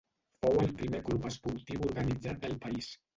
Fou el primer club esportiu organitzat del país.